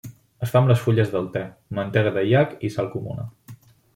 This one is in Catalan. Es fa amb les fulles del te, mantega de iac i sal comuna.